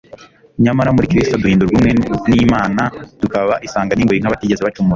Nyamara muri Kristo duhindurwa umwe n'Imana tukaba isanga n'ingoyi nk'abatigeze bacumura.